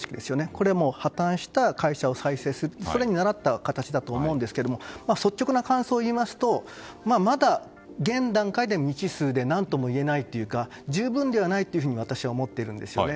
これも破綻した会社を再生するそれにならった形だと思いますが率直な感想を言いますと現段階では未知数で何とも言えないというか十分ではないと私は思ってるんですよね。